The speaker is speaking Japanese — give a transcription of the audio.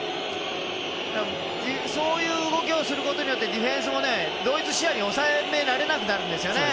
そういう動きをすることによってディフェンスも、同一視野に収められなくなるんですよね。